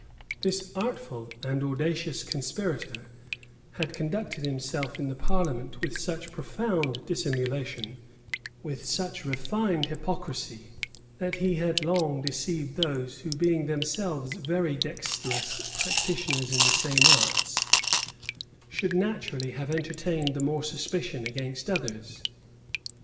This artful and audacious conspirator had conducted himself in the parliament with such profound dissimulation, with such refined hypocrisy, that he had long deceived those who, being themselves very dexterous practitioners in the same arts, should naturally have entertained the more suspicion against others.